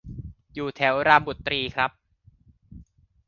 อยู่แถวรามบุตรีครับ